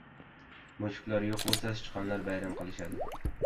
• Mushuklar yo‘q bo‘lsa, sichqonlar bayram qiladi.